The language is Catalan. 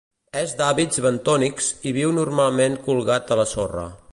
És d'hàbits bentònics i viu normalment colgat a la sorra.